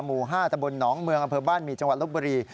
หมู่๕ตะบลหนองเมืองอำเภอบ้านหมี่จังหวัดลบบุรี